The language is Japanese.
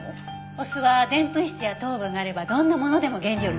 お酢はでんぷん質や糖分があればどんなものでも原料になるのよ。